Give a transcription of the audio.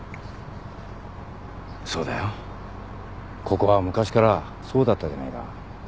ここは昔からそうだったじゃないか。